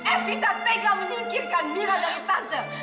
evita tega menyingkirkan mira dari tante